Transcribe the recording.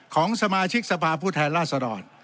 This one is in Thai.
ของสมาชิกสภาพผู้แทนราษฎร